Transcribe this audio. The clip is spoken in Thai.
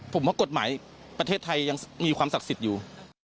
ผมว่ากฎหมายประเทศไทยยังมีความศักดิ์สิทธิ์อยู่